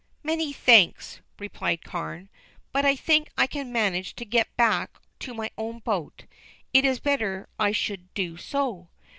"Many thanks," replied Carne, "but I think I can manage to get back to my own boat. It is better I should do so.